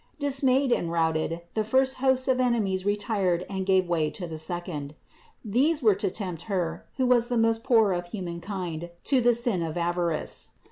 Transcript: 345. Dismayed and routed, the first host of enemies retired and gave way to the second. These were to tempt Her, who was the most poor of human kind, to the sin of avarice.